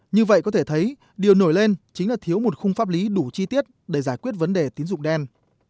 như vậy có thể thấy điều nổi lên chính là thiếu một khung pháp lý đủ chi tiết để giải quyết vấn đề tín dụng đen